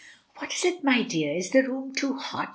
"What is it, my dear, is the room too hot?"